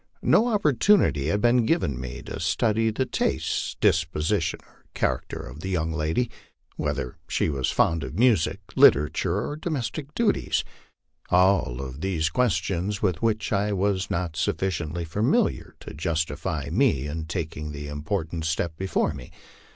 No op portunity had been given me to study the tastes, disposition, or character of the young lady whether she was fond of music, literature, or domestic duties. All these were questions with which I was not sufficiently familiar to justify me in taking the important step before me.